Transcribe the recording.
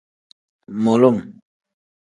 Mulum.